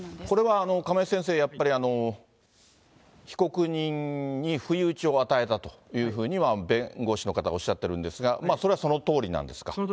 これは亀井先生、やっぱり被告人に不意打ちを与えたというふうには弁護士の方がおっしゃってるんですが、それはそのとおりなんですか？